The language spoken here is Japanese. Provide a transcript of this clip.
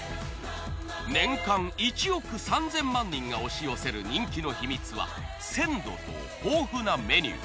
年間１億３，０００万人が押し寄せる人気の秘密は鮮度と豊富なメニュー。